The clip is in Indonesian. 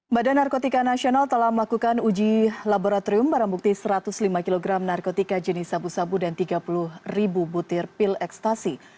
badan narkotika nasional telah melakukan uji laboratorium barang bukti satu ratus lima kg narkotika jenis sabu sabu dan tiga puluh ribu butir pil ekstasi